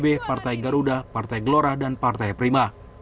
b partai garuda partai gelora dan partai prima